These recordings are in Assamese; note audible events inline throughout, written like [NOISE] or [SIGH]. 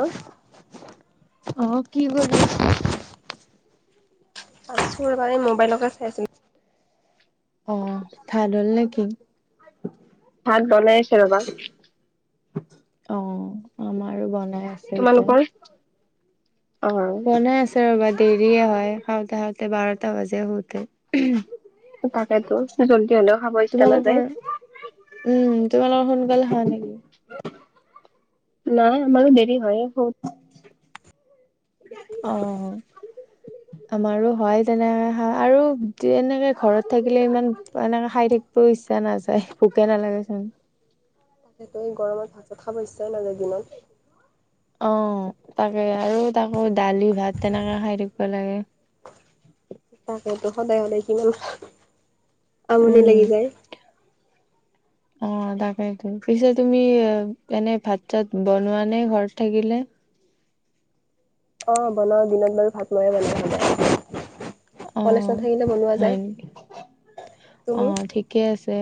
অৱ। অৱ কি কৰি আছা? আছো ৰবা এই মোবাইলকে চাইছো। অ [UNINTELLIGIBLE] নেকি? ভাত বনাই আছে ৰবা। অৱ আমাৰো বনাই আছে। এতিয়া। তোমালোকৰ অ বনাই আছে ৰবা দেৰিয়ে হয় খাওঁতে খাওঁতে বাৰটা বাজে শোতে। তাকেতো জল্দি হলেও খাব ইচ্ছা তোমালোকৰ নাযায়। উম তোমালোকৰ সোনকালে হয় নেকি? নাই আমাৰো দেৰি হয় হ। অ। [INAUDIBLE] আমাৰো হয় তেনেকে খা আৰু এনেকে ঘৰত থাকিলে ইমান এনেকে খাই থাক। ইচ্ছা নাযায় ভোকে নালাগে চোন। তাকেতো এই গৰমত ভাতো খাবই ইচ্ছা নাযায় দিনত। অৱ তাকে আৰু তাকো দালি ভাত তেনেকে খাই থাকিব লাগে। তাকতো সদায় সদায় কিমান আমনি উম, লাগি যায়। অৱ তাকেইতো পিছে তুমি এনে ভাত চাত বনোৱা নে ঘৰত থাকিলে? অৱ বনাও দিনত বাৰু ভাত মই বনাই সদায়। অ কলেজ নাথাকিলে বনোৱা হয় যায়। তুমি? কি আছে?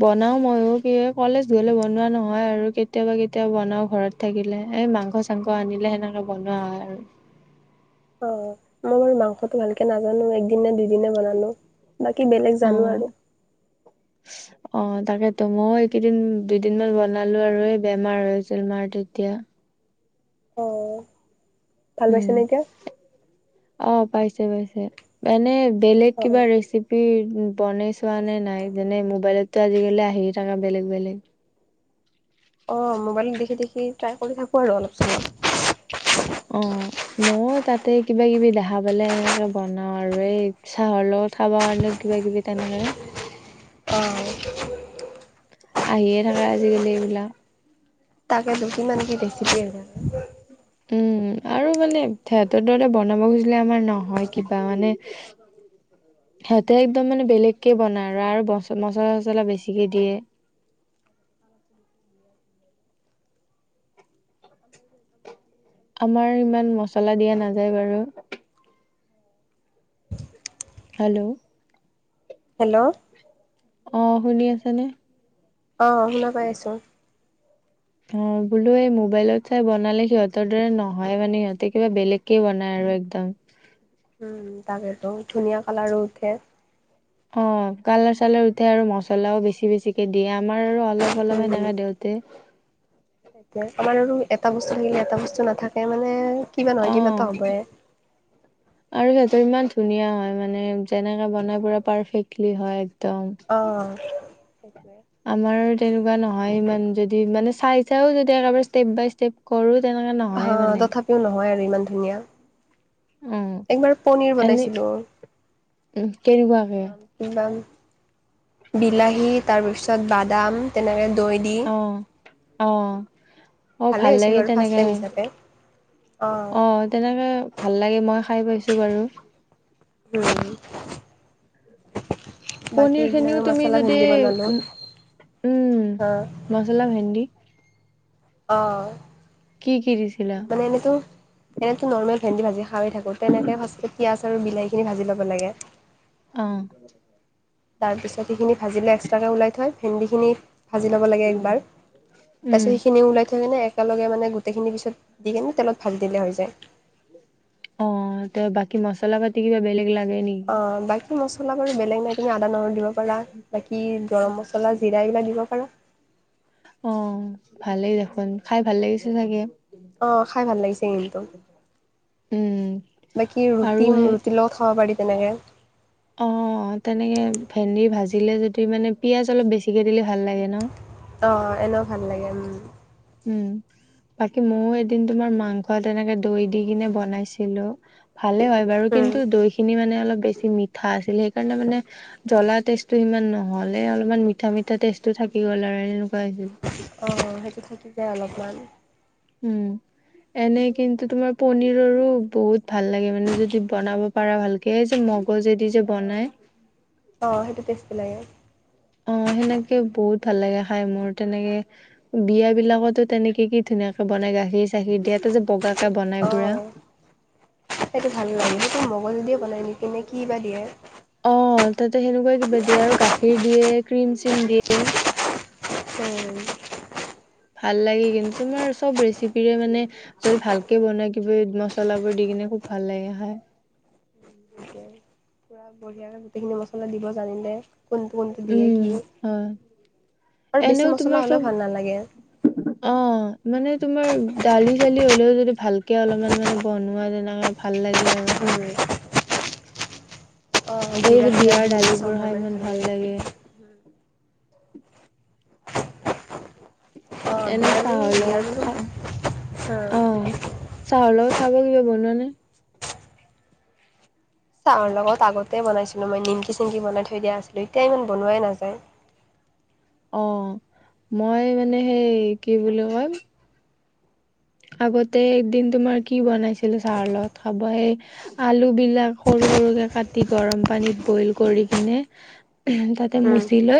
বনাও মইো কি কলেজ গ'লে বনোৱা নহয় আৰু কেতিয়াবা কেতিয়াবা বনাও ঘৰত। থাকিলে, এই মাংস চাংস আনিলে সেনেকে বনোৱা হয় আৰু। অ মই বাৰু মাংসটো ভালকে নাজানো এদিন নে দুদিন বনালো বাকী বেলেগ অ জানো আৰু অ তাকেতো মই এইকেইদিন দুইদিনমান বনালো আৰু এই বেমাৰ হৈছিল মাৰ তেতিয়া। অ ভাল উম, পাইছেনে এতিয়া অ পাইছে পাইছে এনে বেলেগ অ কিবা ৰেচিপি বনে চোৱা নে নাই যেনে মোবাইলতটো আজিকালি আহি থকা বেলেগ বেলেগ। অ মোবাইলত দেখি দেখি ট্ৰাই কৰি থাকো আৰু অলপ চলপ। অৱ। মই তাতে কিবা কিবি দেখা পালে এনেকে বনাও আৰু এই চাহৰ লগত খাব কাৰণে। কিবা কিবি তেনেকে। অৱ। আহিয়ে থাকে আজি কালি এইবিলাক। তাকেতো কিমান কি ৰেচিপি আৰু উম আৰু মানে সিহঁতৰ দ বনাব খুজিলে আমাৰ নহয় কিবা মানে। সিহঁতে একদম মানে বেলেগ কেে বনাই আৰু আৰু মচলা চচলা বেছিকে দিয়ে। আমাৰ আমাৰ ইমান মচলা দিয়া নাযায়। বাৰু হেল্ল' হেল্ল' অ শুনি আছেনে। অ শুনা পাই আছো। অ বোলো এই মোবাইলত চাই বনালে সিহঁতৰ দৰে নহয় মানে সিহঁতে কিবা বেলেগকে বনাই আৰু একদম। উম তাকেতো ধুনীয়া কালাৰো উঠে অ কালাৰ চালাৰ উঠে আৰু মছলাও বেছি বেছিকে দিয় আমাৰ আৰু অলপ অলপ সেনেকাে দে। তে তে আমাৰ আৰু এটা বস্তু থাকিলে এটা বস্তু নাথাকে মানে কিবা অ নহয় কিবা এটা হবয়। ত আৰু সিহতৰ ইমান ধুনীয়া হয় মানে যেনেকে বনাই পুৰা পাৰফেক্টলি হয়। একদম অ সেইটোৱে আমাৰ তেনেকুৱা নহয় ইমান যদি মানে চাই চাইও যদি একেবাৰে ষ্টেপ বাই ষ্টেপ, কৰোঁ তেনেকুৱা নহয়। মানে স নহয় আৰু ইমান ধুনীয়া অ একবাৰ পনীৰ বনাইছিলোঁ। উম কেনেকুৱাকে। কিমান বিলাহী, তাৰপিছত বাদাম,। তেনেকৈ দৈ দি। অ অ অ ভাল ভালেই হৈছিল লাগে বাৰু ফাৰ্ষ্ট টাইম তেনেকে হিচাপে অঁ অ তেনেকে ভাল লাগে মই খাই পাইছোঁ। বাৰু উম বাকী পনিৰ এইদিনা খিনিও আৰু তুমি মছলা যদি ভেন্দি বনালোঁ। উ উম হা মচলা ভেন্দি, অঁ কি কি দিছিলে। নেতো নৰ্মেল ভেন্দি ভাজি খাই থাকো তেনেকে পিয়াঁজ বিলাহীখিনি ভাজি ল'ব লাগে। অ তাৰপিছত সেইখিনি ভাজিলে এক্সট্ৰাকৈ ওলাই থয় ভেন্দিখিনি। ভাজি ল'ব লাগে একবাৰ তাৰপিছত উম সেইখিনিও ওলাই থাকেনে এক- একেলগে মানে গোটেইখিনি পিছত দি কিনে তেলত ভাজ দিলে হৈ যায়। অ ত' বাকি মছলা পাতি কিবা বেলেগ লাগে নকি? অ বাকি মছলা বাৰু বেলেগ নিদি আদা নহৰু দিব পাৰি। পৰা বাকী গৰম মছলা জিৰা এইবিলাক দিব পাৰা। অ ভালেই দেখোন খাই ভাল লাগিছে চাগে। অ' খাই ভাল লাগিছে কিন্তু। উম [INAUDIBLE] বাকী আৰু ৰোতিং সেই ৰুতি লগত খাব পাৰি তেনেকে অ' তেনেকে ভেন্দি ভাজিলে যদি মানে পিয়ঁয়াজ, অলপ বেছিকে দিলে ভাল লাগে। ন অ' এনেও ভাল লাগে উম। উম বাকী ময়ও এদিন তোমাৰ মাংস তেনেকে দৈ দি কিনে বনাইছিলো ভালে হয় বাৰু উম কিন্তু দৈ খিনি মানে অলপ বেছি মিঠা আছিল সেইকাৰণে মানে জ্বলা টেষ্টটো ইমান নহ'লে অলপমান মিঠা মিঠা টেষ্টটো থাকি গ'ল আৰু এনেকোৱা হৈছিল অ সেইটো থাকি যায় অলপমান। উম এনে কিন্তু তোমাৰ পনীৰৰো বহুত ভাল লাগে মানে যদি বনাব পাৰা ভালকে যে মগজেদি যে বনাই অ সেইটো টেষ্টি লাগে অ সেনেকে বহুত ভাল লাগে খাই মোৰ তেনেকে বিয়া বিলাকতো তেনেকে কি ধুনীয়াকে বনাই গাখীৰ চাখীৰ দিয়া যে বগাাকে বনাই পুৰা অঁ সেইটো ভাল লাগে সেইটো মগজদিয়ে বনাই নেকিনে কি বা দিয়ে অ তাতে সেনেকোৱাই কিবা দিয়ে আৰু গাখীৰ দিয়ে ক্ৰীম চিম দিয়ে উম ভাল লাগে কিন্তু তোমাৰ চব ৰেচিপিৰে মানে যদি ভালকে বনাই কিবি মচলাবোৰ দি কিনে খুব ভাল লাগে খাই এ বঢ়িয়া গোটেইখিনি মছলা দিব জানিলে কোনটো কোনটো দিয়ে উম, কি হয়, আৰু বেছি এনেও মছলা তোমাৰ চব হ'লেও ভাল নালাগে অ মানে তোমাৰ দালি চালি হলেও যদি ভালকে অলপমান মানে বনোৱা তেনেকে ভাল লাগে আৰু খাই। উম এই জিৰা যে চিৰা দি বিয়াৰ সেনেকে দালিবোৰ চম্ভাৰ খাই মাৰি ইমান ভাল লাগে [UNINTELLIGIBLE] এনে বিয়াৰ চাহৰ বিয়াৰ লগত মানে খা অহ চাহৰ লগৰ খাব কিবা বনোৱা নে। চাহৰ লগত আগতেই বনাইছিলো মই নিমকি চিমকি বনাই থৈ দিয়া আছিলে এতিয়া ইমান বনোৱাই নাযায়। অ মই মানে সেই কি বুলি কয়। আগতে এদিন তোমাৰ কি বনাইছিলো চাহৰ লগত খাবহে আলু বিলাক সৰু সৰুকে কাটি গৰম পানীত বইল কৰি কিনে তাতে উম মচি লৈ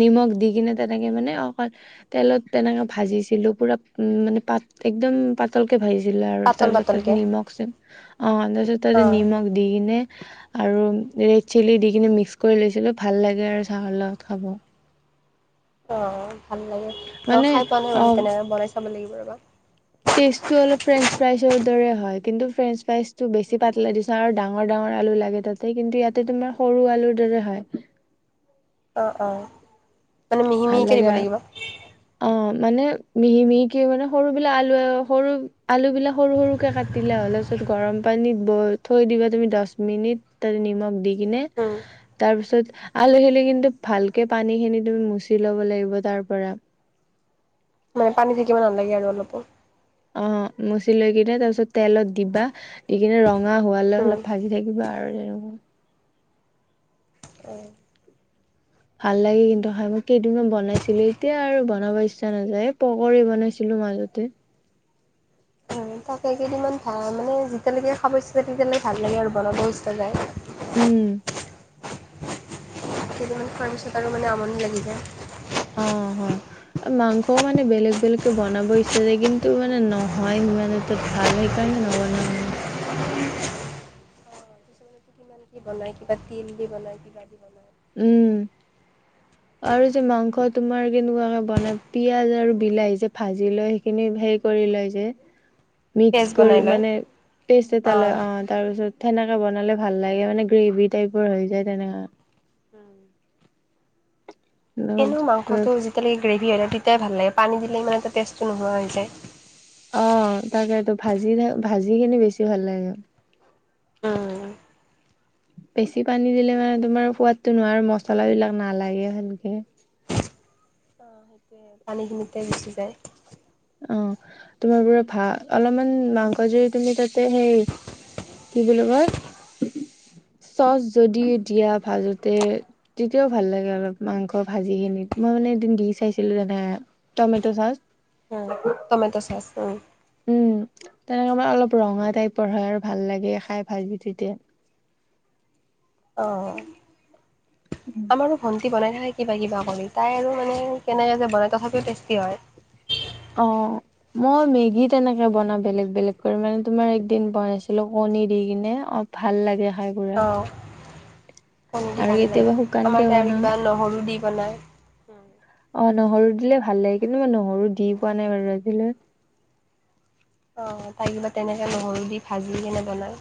নিমখ দি কিনে তেনেকে মানে অকল তেলত তেনেকে ভাজিছিলো পুৰা উ মানে পাত একদম পাতলকে ভাজিছিলে আৰু তাৰ পাতল পিছত তাতে পাতলকে নিমখ চছম অ তাৰপিছত তাতে অঁ নিমখ দি দি কিনে আৰু ৰেড চিলি দি কিনে মিক্স কৰি লৈছিলো ভাল লাগে আৰু চাহৰ লগত খাব অ ভাল লাগে মই মানে খাই পোৱা নাই অ বাৰু তেনেকে বনাই চাব লাগিব ৰ'বা। টেষ্টটো অলপ ফ্ৰেঞ্চ ফ্ৰাইজৰ দৰে হয় কিন্তু ফ্ৰেঞ্চ ফ্ৰাইজটো বেছি পাতলা দি তাৰ ডাঙৰ ডাঙৰ আলু লাগে তাতে কিন্তু ইয়াতে তোমাৰ সৰু আলুৰ দৰে হয়। অ' অ 'মানে মিহি ভাল মিহিকে লাগে দিব আৰু লাগিব। অ মানে মিহি মিহিকে মানে সৰু বিলাক আলু সৰু আলু বিলাক সৰু সৰুকে কা দিলা হ'লে পিছত গৰম পানীত ব থৈ দিবা তুমি দহ মিনিট তাতে নিমখ দি কিনে উম তাৰপিছত আলহী আহিলে কিন্তু ভালকে পানী খিনি তুমি মুচি ল'ব লাগিব তাৰ পৰা মানে পানী তিতিব নালাগে আৰু অলপো অ মচি লৈ কিনে তাৰপিছত তেলত দিবা দি কিনে ৰঙা হোৱালৈ উম অলপ ভাজি থাকিবা আৰু যেনে ভাল লাগে কিন্তু খাই মই কেইদিনমান বনাইছিলো এতিয়া আৰু বনাব ইচ্ছা নাযায় এ পকৰী বনাইছিলো মাজতে তাকেই কেইদিনমান ভা মানে যেতিয়ালৈকে খাব ইচ্ছা তেতিয়ালৈকে ভাল লাগে আৰু বনাব ইস্তা যায় উম। কেইদিন মান খোৱাৰ পাছত আৰু মানে আমনি লাগি যায়। অ' হয়। মাংসও মানে বেলেগ বেলেগকে বনাব ইচ্ছা যাই কিন্তু মানে নহয় সিমানত তত ভাল সেইকাৰণে নবনাও। কিমান কি বনাই, কিবা তিল দি বনাই, কিবা দি বনাই। উম। [INAUDIBLE] আৰু যে মাংস তোমাৰ কেনেকুৱাকে বনাই, পিয়াজ আৰু বিলাহী যে ভাজি লৈ খিনি হেৰি কৰি লয় যে। [INAUDIBLE] মিক্স কৰি বনাই লয় মানে পেষ্ট এটা লয় অঁ অ'। তাৰপিছত সেনেকা বনালে ভাল লাগে, মানে গ্ৰেভি টাইপৰ হৈ যায় তেনেকা। উম। এনেও তেনেকা মাংসটো যেতিয়ালৈকে গ্ৰেভি হৈ থাকে তেতিয়াই ভাল লাগে, পানী দিলে ইমানে এটা টেষ্টটো নোহোৱা হৈ যায়। অ' তাকেতো ভাজি, ভাজিখিনি বেছি ভাল লাগে। উম। বেছি পানী দিলে মানে তোমাৰ সোৱাদটো নোৱাৰ, মচলাবিলাক নালাগে [UNINTELLIGIBLE] অ' সেইটোৱে, পানীখিনিতে গুচি যায়। অ' তোমাৰ ধৰা ভা অলপমান মাংস জুৰি তুমি তাতে সেই কি বুলি কয়, চচ যদি দিয়া ভাজোতে তেতিয়াও ভাল লাগে অলপ মাংস ভাজি কিনিত, মই মানে এদিন দি চাইছিলো জানা। Tomato sauce. হু, টমেট' চচ উ। উম, তেনেকে মা অলপ ৰঙা টাইপৰ হয় আৰু ভাল লাগে খাই ভাজি [UNINTELLIGIBLE] অ' আমাৰো ভন টি বনাই থাকে কিবা কিবা কৰি, তাই আৰু মানে কেনেকে যে বনায় তথাপিও টেষ্টি হয়। অ'। মই মেগী তেনেকে বনা বেলেগ বেলেগ কৰি, মানে তোমাৰ একদিন বনাইছিলোঁ কণী দি কিনে অপ ভাল লাগে খাই। পুৰা অ' কণ দি আৰু ভাল লাগে। কেতিয়াবা শুকানকে আমাৰ তাই আৰু বনাও কিবা নহৰু দি বনায়। [UNINTELLIGIBLE] অ' নহৰু দিলে ভাল লাগে কিন্তু মই নহৰু দি পোৱা নাই বাৰু আজিলে। অ' তাই কিবা তেনেকে নহৰু দি ভাজি কেনে বনায়।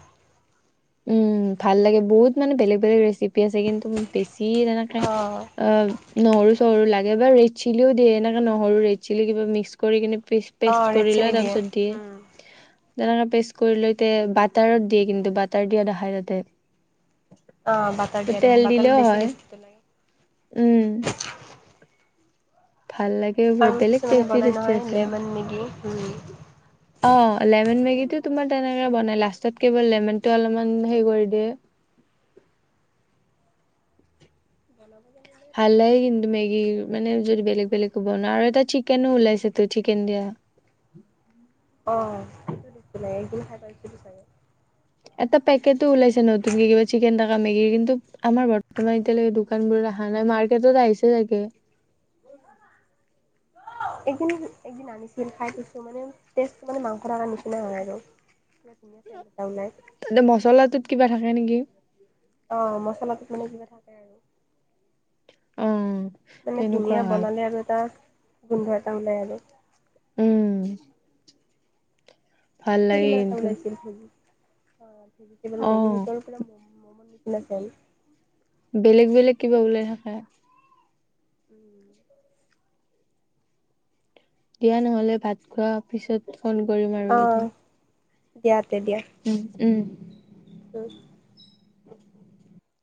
উম, ভাল লাগে, বহুত মানে বেলেগ বেলেগ ৰেচিপি আছে কিন্তু বেছি [UNINTELLIGIBLE] অ' অ' নহৰু চহৰু লাগে বা ৰেড চিলিও দিয়ে, এনেকে নহৰু, ৰেড চিলি কিবা মিক্স কৰি কিনে পি পেষ্ট অ' ৰেড কৰি চিলি লয় তাৰপিছত দিয়ে। তেনেকা পেষ্ট কৰি লৈতে বাটাৰত দিয়ে কিন্তু বাটাৰ দিয়া দেখাই তাতে। অ' বাটাৰ দিয়া তেল দেখে, বাটাৰো দিলেও বেছি হয় টেষ্টিটো [UNINTELLIGIBLE] উম। ভাল লাগে। আৰু বেলেগ কিছুমানে টেষ্টি বনাই টেষ্টি নহয় আছে। লেমন মেগী এই অ' লেমন মেগীটো মোবাইলত তোমাৰ চাই চাই তেনেকে বনাই, থাকে। লাষ্টত কেৱল নেমনটো অলপমান অ' হে কৰি দিয়ে। [UNINTELLIGIBLE] ভাল লাগে আৰু কিন্তু মেগী, আজিকালি মানে যদি বেলেগ বেলেগ কৈ বনোৱা আৰু এটা চিক কেনো ওলাইছে তই চিকেন দিয়া [UNINTELLIGIBLE] অঁ সেইটো দিছিলে এইদিন খাই পাইছো [UNINTELLIGIBLE] এটা পেকেটটো ওলাইছ [UNINTELLIGIBLE] নতুনকে কিবা চিকেন থকা মেগীৰ কিন্তু আমাৰ বৰ্তমান এতিয়ালৈকে দোকানবোৰত অহা নাই মাৰ্কেটত আহিছে চাগে। [UNINTELLIGIBLE] এদিন একদিন আনিছিল খাই পাইছোঁ মানে [UNINTELLIGIBLE] টেষ্টটো মানে মাংস থকাৰ নিচিনা হয় আৰু ধুনীয়া [UNINTELLIGIBLE] দুটা ওলাই [INAUDIBLE] তাতে মচলাটোত কিবা থাকে নেকি? [INAUDIBLE] অঁ মছলাটোত মানে কিবা থাকে আৰু। [UNINTELLIGIBLE] অ', মানে তেনেকুৱা ধুনীয়া হয়। বনালে আৰু এটা গোন্ধ এটা ওলাই আৰু। [UNINTELLIGIBLE] উম। [INAUDIBLE] আৰু ভাল লাগে সেইদিনা এটা কিন্তু ওলাইছিল [UNINTELLIGIBLE] মেগী অ', ভিতৰত মম, মমৰ নিছি নেচেল [UNINTELLIGIBLE] বেলেগ-বেলেগ কিবা ওলাই থাকে। [UNINTELLIGIBLE] উম [UNINTELLIGIBLE] দিয়া, নহ'লে ভাত খোৱা পিছত ফোন কৰিম আৰু অঁ এদিন। [UNINTELLIGIBLE] দিয়া তে দিয়া। [UNINTELLIGIBLE] উম-উম [UNINTELLIGIBLE] উম [UNINTELLIGIBLE]